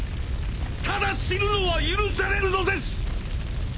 ただ死ぬのは許されぬのです！